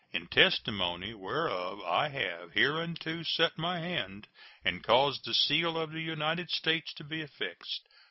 In testimony whereof I have hereunto set my hand and caused the seal of the United States to be affixed.